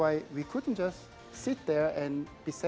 dan bersyukur sebagai pemain pasar